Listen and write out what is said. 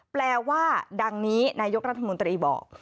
แปลว่าดังนี้นายกรัฐมนตรีบอก